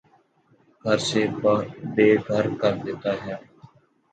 گھر سے بے گھر کر دیتا ہے